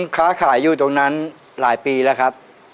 ค้าขายอยู่ตรงนั้นหลายปีแล้วครับ